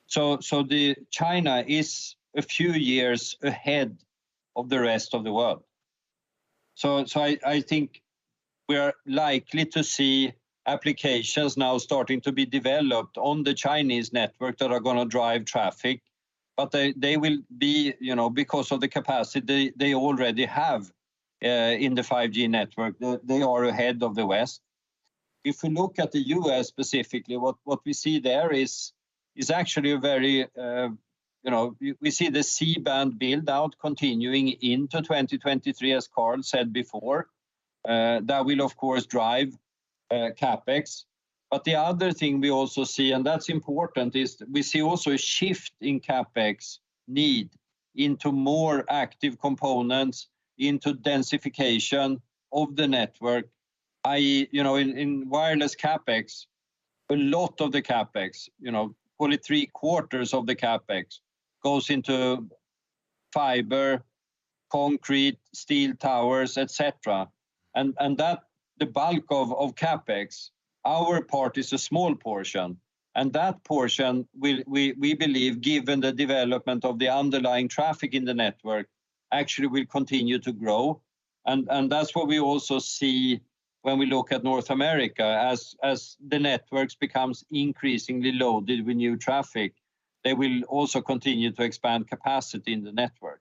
China is a few years ahead of the rest of the world. I think we are likely to see applications now starting to be developed on the Chinese network that are gonna drive traffic, but they will be, you know, because of the capacity they already have in the 5G network. They are ahead of the West. If we look at the U.S. specifically, what we see there is actually a very. We see the C-band build-out continuing into 2023, as Carl said before. That will of course drive CapEx. The other thing we also see, and that's important, is we see also a shift in CapEx need into more active components into densification of the network. I You know, in wireless CapEx, a lot of the CapEx, you know, probably three quarters of the CapEx goes into fiber, concrete, steel towers, et cetera. That the bulk of CapEx, our part is a small portion, and that portion we believe, given the development of the underlying traffic in the network, actually will continue to grow. That's what we also see when we look at North America. As the networks becomes increasingly loaded with new traffic, they will also continue to expand capacity in the network.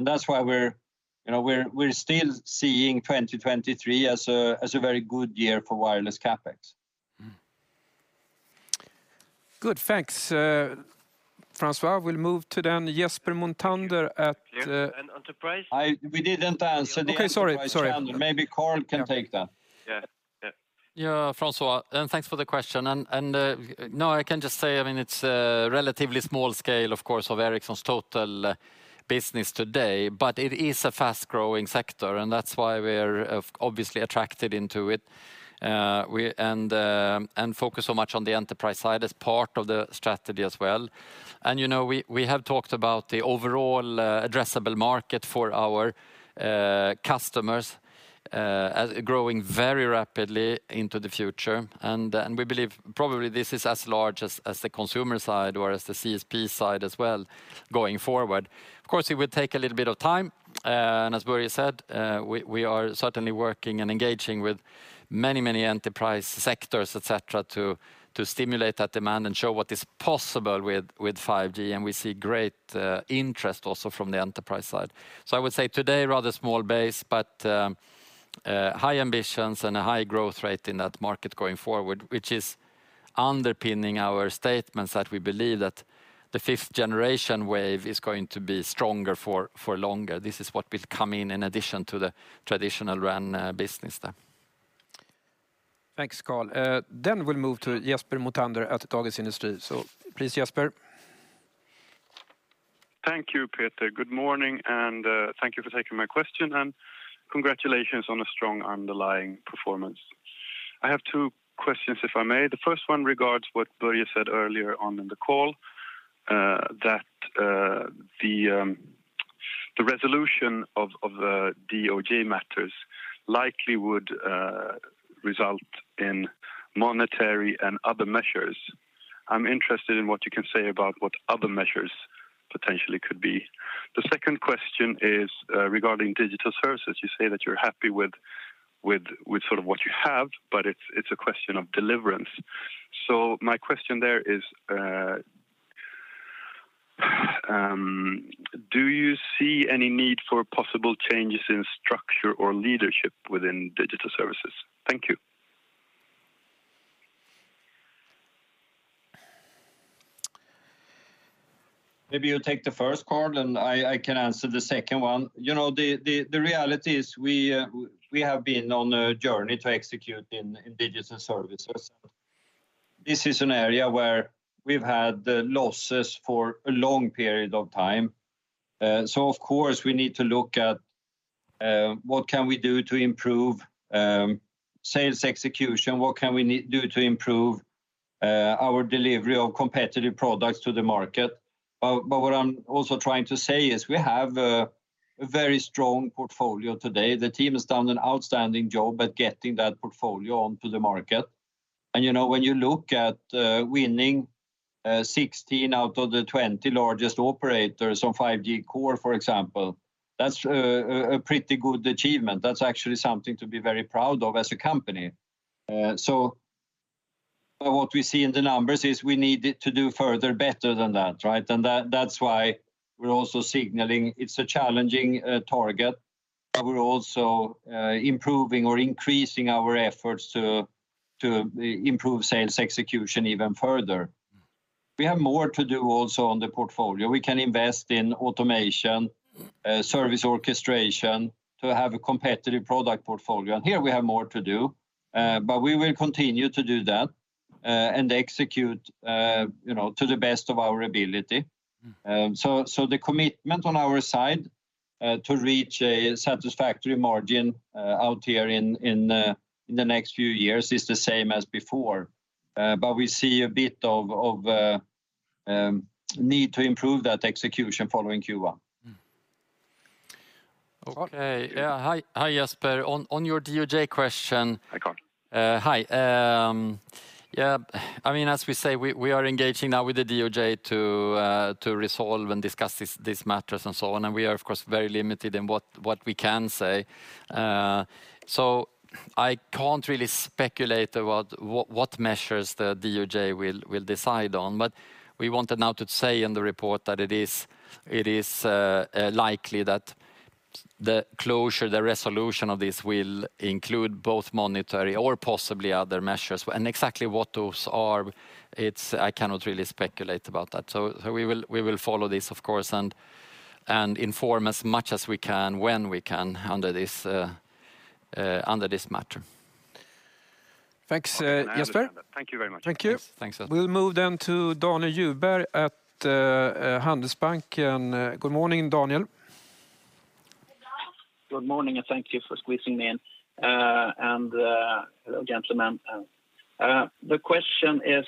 That's why we're, you know, still seeing 2023 as a very good year for wireless CapEx. Good. Thanks, François. We'll move to then Jesper Mothander at, Enterprise. We didn't answer the enterprise challenge. Okay. Sorry. Maybe Carl can take that. Yeah. Yeah. Yeah, François, and thanks for the question. No, I can just say, I mean, it's a relatively small scale, of course, of Ericsson's total business today, but it is a fast-growing sector, and that's why we're obviously attracted into it, and focus so much on the enterprise side as part of the strategy as well. You know, we have talked about the overall addressable market for our customers as growing very rapidly into the future. We believe probably this is as large as the consumer side or as the CSP side as well going forward. Of course, it would take a little bit of time, and as Börje said, we are certainly working and engaging with many enterprise sectors, et cetera, to stimulate that demand and show what is possible with 5G, and we see great interest also from the enterprise side. I would say today, rather small base, but high ambitions and a high growth rate in that market going forward, which is underpinning our statements that we believe that the fifth generation wave is going to be stronger for longer. This is what will come in addition to the traditional RAN business then. Thanks, Carl. We'll move to Jesper Mothander at Dagens Industri. Please, Jesper. Thank you, Peter. Good morning, and thank you for taking my question, and congratulations on a strong underlying performance. I have two questions, if I may. The first one regards what Börje said earlier on in the call, that the resolution of DOJ matters likely would result in monetary and other measures. I'm interested in what you can say about what other measures potentially could be. The second question is regarding Digital Services. You say that you're happy with what you have, but it's a question of deliverance. My question there is, do you see any need for possible changes in structure or leadership within Digital Services? Thank you. Maybe you take the first, Carl, and I can answer the second one. You know, the reality is we have been on a journey to execute in Digital Services. This is an area where we've had losses for a long period of time. So of course, we need to look at what can we do to improve sales execution. What can we do to improve our delivery of competitive products to the market. But what I'm also trying to say is we have a very strong portfolio today. The team has done an outstanding job at getting that portfolio onto the market. You know, when you look at winning 16 out of the 20 largest operators on 5G Core, for example, that's a pretty good achievement. That's actually something to be very proud of as a company. What we see in the numbers is we need it to do further better than that, right? That's why we're also signaling it's a challenging target, but we're also improving or increasing our efforts to improve sales execution even further. We have more to do also on the portfolio. We can invest in automation, service orchestration to have a competitive product portfolio. Here we have more to do, but we will continue to do that and execute, you know, to the best of our ability. The commitment on our side to reach a satisfactory margin out here in the next few years is the same as before. We see a bit of need to improve that execution following Q1. Okay. Yeah. Hi. Hi, Jesper. On your DOJ question- Hi, Carl. Hi. Yeah, I mean, as we say, we are engaging now with the DOJ to resolve and discuss these matters and so on, and we are of course very limited in what we can say. I can't really speculate about what measures the DOJ will decide on. We wanted now to say in the report that it is likely that the closure, the resolution of this will include both monetary or possibly other measures. Exactly what those are, it's. I cannot really speculate about that. We will follow this, of course, and inform as much as we can when we can under this matter. Thanks, Jesper. Thank you very much. Thank you. Thanks. We'll move then to Daniel Djurberg at Handelsbanken. Good morning, Daniel. Good morning, and thank you for squeezing me in. Hello, gentlemen. The question is,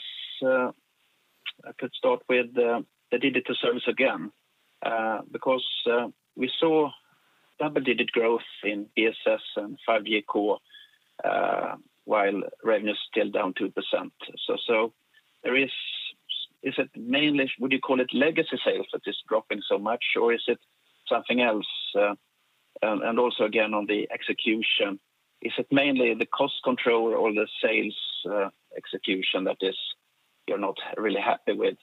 I could start with the digital service again. Because we saw double-digit growth in BSS and 5G Core, while revenue is still down 2%. So there is. Is it mainly legacy sales that is dropping so much, or is it something else? And also again on the execution, is it mainly the cost control or the sales execution that you're not really happy with?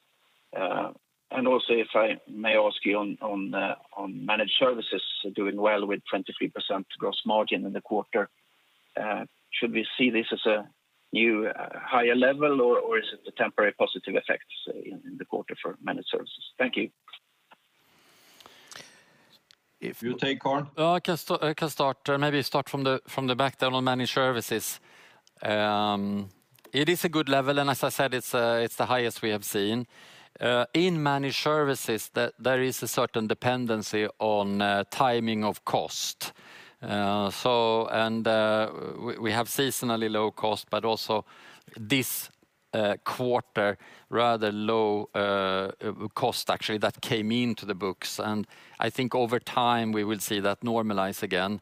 And also if I may ask you on managed services doing well with 23% gross margin in the quarter. Should we see this as a new higher level or is it a temporary positive effect, say, in the quarter for managed services? Thank you. If you take, Carl. I can start. Maybe start from the back then on managed services. It is a good level, and as I said, it's the highest we have seen. In managed services, there is a certain dependency on timing of cost. So we have seasonally low cost, but also this quarter rather low cost actually that came into the books. I think over time, we will see that normalize again.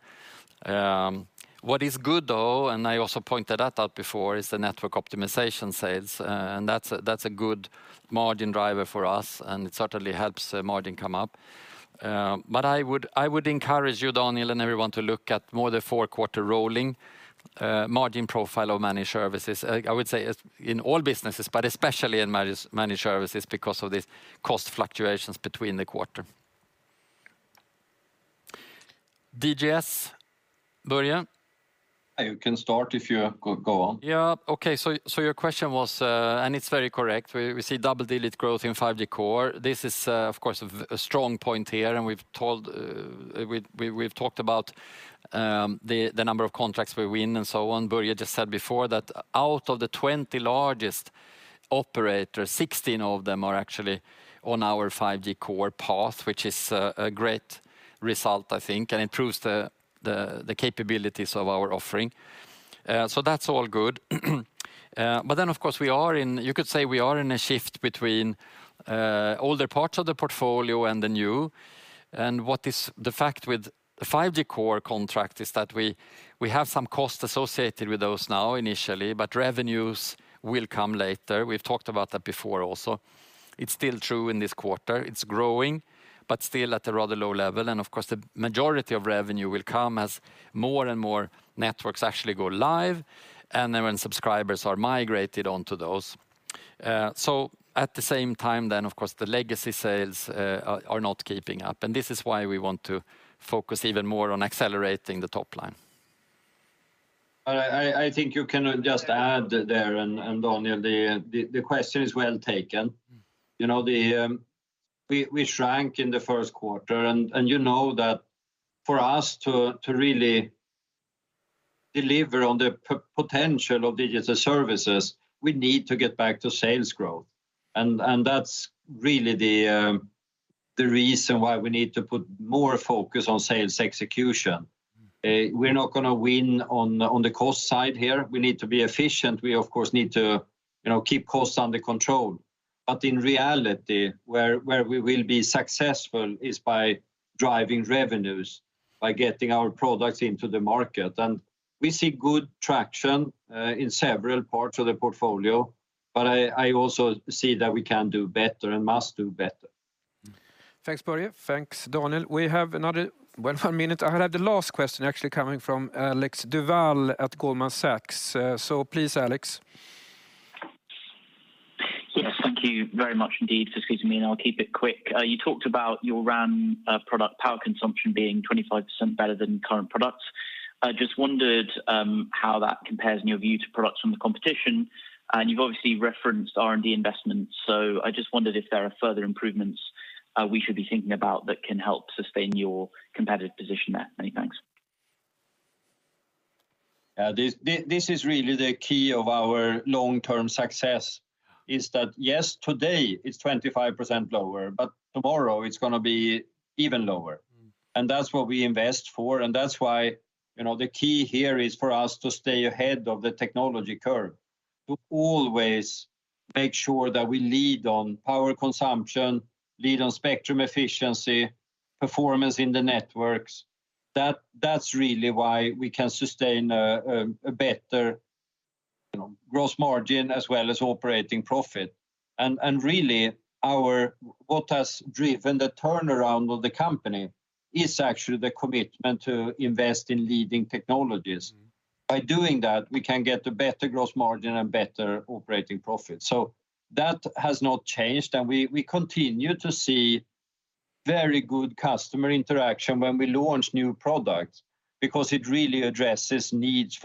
What is good though, and I also pointed that out before, is the network optimization sales. That's a good margin driver for us, and it certainly helps the margin come up. But I would encourage you, Daniel, and everyone to look at more the four-quarter rolling margin profile of managed services. I would say in all businesses, but especially in managed services because of the cost fluctuations between quarters. DGS, Börje. You can start if you go on. Yeah. Okay. Your question was, and it's very correct. We see double-digit growth in 5G Core. This is, of course, a strong point here, and we've talked about the number of contracts we win and so on. Börje just said before that out of the 20 largest operators, 16 of them are actually on our 5G Core path, which is a great result, I think, and improves the capabilities of our offering. That's all good. But then of course, we are in a shift between older parts of the portfolio and the new. You could say we are in a shift between older parts of the portfolio and the new. What is the fact with the 5G Core contract is that we have some costs associated with those now initially, but revenues will come later. We've talked about that before also. It's still true in this quarter. It's growing, but still at a rather low level. Of course, the majority of revenue will come as more and more networks actually go live and then when subscribers are migrated onto those. At the same time then, of course, the legacy sales are not keeping up. This is why we want to focus even more on accelerating the top line. All right. I think you can just add there, and Daniel, the question is well taken. You know, we shrank in the first quarter, and you know that for us to really deliver on the potential of digital services, we need to get back to sales growth. That's really the reason why we need to put more focus on sales execution. We're not gonna win on the cost side here. We need to be efficient. We of course need to, you know, keep costs under control. But in reality, where we will be successful is by driving revenues, by getting our products into the market. We see good traction in several parts of the portfolio, but I also see that we can do better and must do better. Thanks, Börje. Thanks, Daniel. We have another one more minute. I have the last question actually coming from Alexander Duval at Goldman Sachs. So please, Alex. Yes, thank you very much indeed for squeezing me in. I'll keep it quick. You talked about your RAN product power consumption being 25% better than current products. I just wondered how that compares in your view to products from the competition. You've obviously referenced R&D investments. I just wondered if there are further improvements we should be thinking about that can help sustain your competitive position there. Many thanks. This is really the key of our long-term success is that, yes, today it's 25% lower, but tomorrow it's gonna be even lower. That's what we invest for, and that's why, you know, the key here is for us to stay ahead of the technology curve, to always make sure that we lead on power consumption, lead on spectrum efficiency, performance in the networks. That's really why we can sustain a better, you know, gross margin as well as operating profit. Really, what has driven the turnaround of the company is actually the commitment to invest in leading technologies. By doing that, we can get a better gross margin and better operating profit. That has not changed, and we continue to see very good customer interaction when we launch new products because it really addresses needs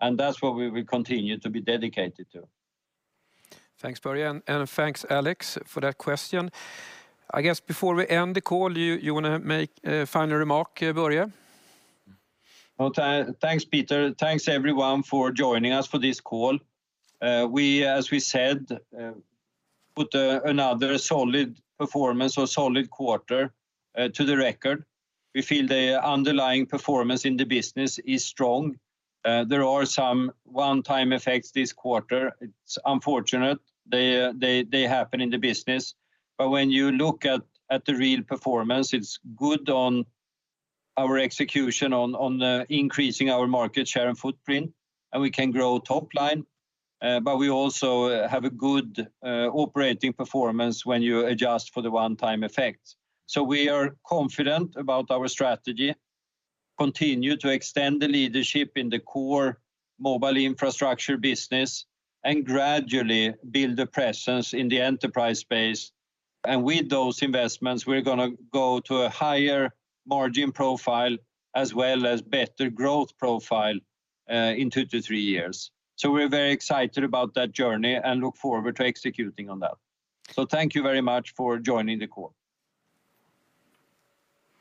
for the customers. That's what we will continue to be dedicated to. Thanks, Börje, and thanks, Alex, for that question. I guess before we end the call, you wanna make a final remark, Börje? Thanks, Peter. Thanks, everyone, for joining us for this call. We, as we said, put another solid performance or solid quarter to the record. We feel the underlying performance in the business is strong. There are some one-time effects this quarter. It's unfortunate. They happen in the business. When you look at the real performance, it's good on our execution on increasing our market share and footprint, and we can grow top line. We also have a good operating performance when you adjust for the one-time effect. We are confident about our strategy, continue to extend the leadership in the core mobile infrastructure business and gradually build a presence in the enterprise space. With those investments, we're gonna go to a higher margin profile as well as better growth profile, in 2-3 years. We're very excited about that journey and look forward to executing on that. Thank you very much for joining the call.